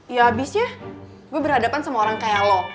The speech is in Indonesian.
ya habisnya gue berhadapan sama orang kayak lo